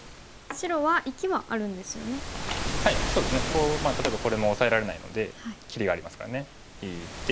こう例えばこれもオサえられないので切りがありますからね引いて。